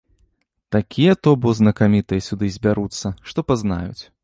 Такія то бо знакамітыя сюды збяруцца, што пазнаюць.